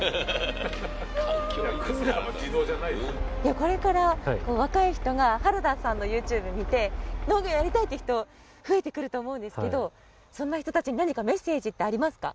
これから若い人が原田さんのＹｏｕＴｕｂｅ見て農業やりたいって人増えてくると思うんですけどそんな人たちに何かメッセージってありますか？